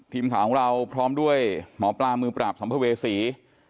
ทีมข่าวของเราพร้อมด้วยหมอปลามือปราบสัมภเวษี